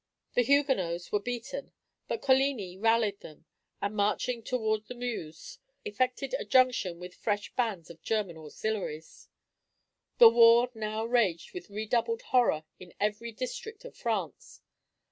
The Huguenots were beaten, but Coligni rallied them, and marching toward the Meuse, effected a junction with fresh bands of German auxiliaries. The war now raged with redoubled horror in every district of France.